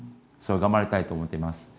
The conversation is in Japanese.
頑張りたいと思っています。